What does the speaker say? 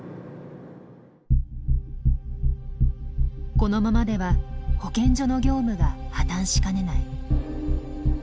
このままでは保健所の業務が破綻しかねない。